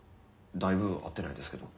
だいぶ会ってないですけど。